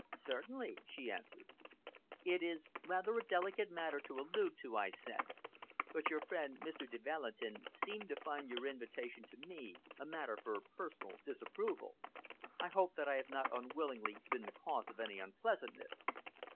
"Certainly," she answered. "It is rather a delicate matter to allude to," I said; "but your friend, Mr. de Valentin, seemed to find your invitation to me a matter for personal disapproval. I hope that I have not unwillingly been the cause of any unpleasantness?"